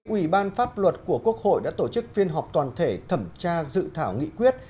ủy ban pháp luật của quốc hội đã tổ chức phiên họp toàn thể thẩm tra dự thảo nghị quyết